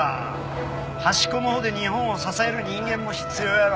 端っこのほうで日本を支える人間も必要やろ。